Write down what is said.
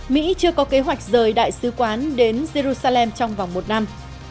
mỹ chưa có kế hoạch rời đại sứ quán đến jerusalem trong vòng một năm